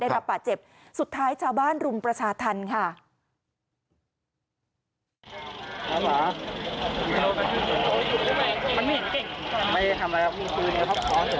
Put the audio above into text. รับบาดเจ็บสุดท้ายชาวบ้านรุมประชาธรรมค่ะ